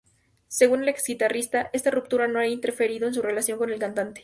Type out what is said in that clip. Según el ex-guitarrista, esta ruptura no ha interferido en su relación con el cantante.